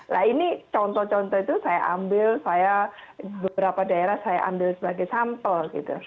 nah ini contoh contoh itu saya ambil saya beberapa daerah saya ambil sebagai sampel gitu